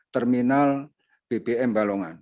ke bbm balongan